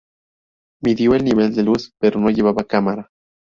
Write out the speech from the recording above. Midió el nivel de luz pero no llevaba cámara.